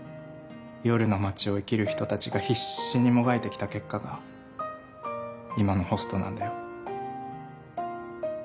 夜の街を生きる人たちが必死にもがいてきた結果が今のホストなんだよ。